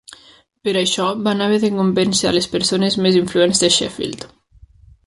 Per a això van haver de convèncer a les persones més influents de Sheffield.